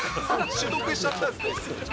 習得しちゃったんですね。